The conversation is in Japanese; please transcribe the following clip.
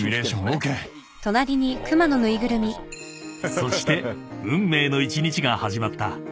［そして運命の一日が始まった］